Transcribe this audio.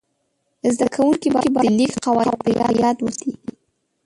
زده کوونکي باید د لیک قواعد په یاد وساتي.